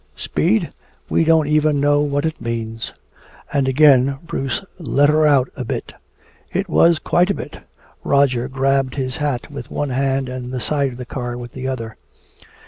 Speed? We don't even know what it means!" And again Bruce "let her out" a bit. It was quite a bit. Roger grabbed his hat with one hand and the side of the car with the other.